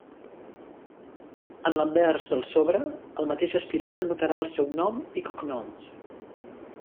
En l'anvers del sobre, el mateix aspirant anotarà el seu nom i cognoms.